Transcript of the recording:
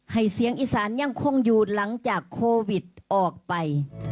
เสียงอีสานยังคงอยู่หลังจากโควิดออกไป